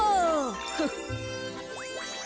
フッ。